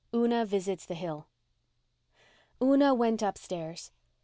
UNA VISITS THE HILL Una went upstairs.